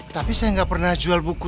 tapi saya nggak pernah jual buku